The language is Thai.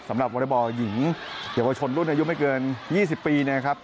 สำหรับโวลเตอร์บอลหญิงเกมรวดชนรุ่นอายุไม่เกิน๒๐ปีนะครับ